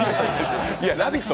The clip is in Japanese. いや、「ラヴィット！」